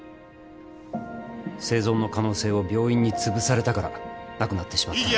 生存の可能性を病院につぶされたから亡くなってしまった。